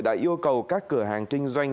đã yêu cầu các cửa hàng kinh doanh